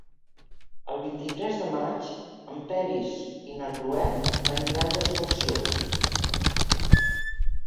El vint-i-tres de maig en Peris i na Cloè aniran d'excursió.